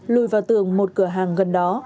lùi vào tường một cửa hàng gần đó